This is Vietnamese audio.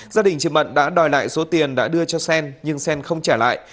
gia đình chị mận đã đòi lại số tiền đã đưa cho sen nhưng sen không trả lại